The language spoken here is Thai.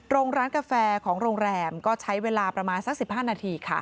โรงร้านกาแฟของโรงแรมก็ใช้เวลาประมาณสัก๑๕นาทีค่ะ